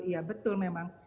ya betul memang